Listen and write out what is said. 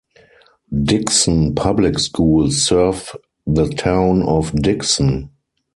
Dickson public schools serve the town of Dickson.